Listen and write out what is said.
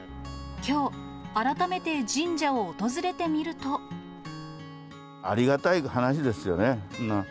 きょう、改めて神社を訪れてみるありがたい話ですよね。